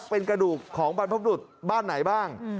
เป็นกระดูกของบรรพบรุษบ้านไหนบ้าง